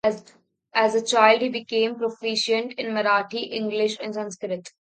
As a child he became proficient in Marathi, English, and Sanskrit.